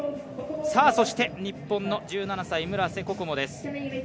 さあ、そして日本の１７歳、村瀬心椛です。